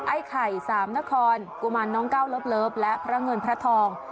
ไอ้ไข่สามนครกุมารน้องก้าวเลิฟและพระเงินพระทอง